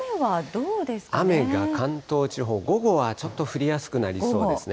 雨が関東地方、午後はちょっと降りやすくなりそうですね。